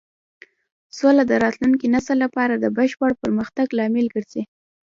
سوله د راتلونکي نسل لپاره د بشپړ پرمختګ لامل ګرځي.